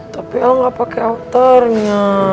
tapi el gak pake outer nya